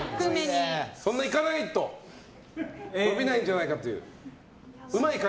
そんなにいかない伸びないんじゃないかという。